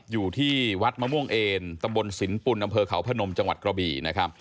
อยู่ที่วัดมะม่วงเอนตำบลสินปุ่นอำเภอเขาพนมจังหวัดกระบี่นะครับ